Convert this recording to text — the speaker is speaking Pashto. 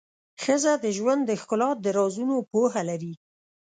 ښځه د ژوند د ښکلا د رازونو پوهه لري.